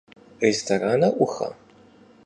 Rêstoranır 'uxa?